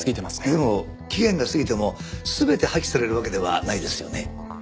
でも期限が過ぎても全て破棄されるわけではないですよね？